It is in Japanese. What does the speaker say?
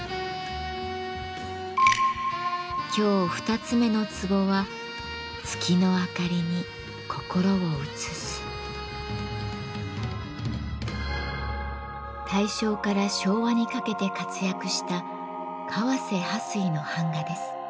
今日２つ目の壺は大正から昭和にかけて活躍した川瀬巴水の版画です。